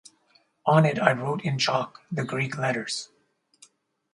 On it I wrote in chalk the Greek letters.